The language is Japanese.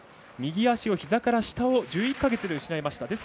右足をひざから下を１１か月で失いました。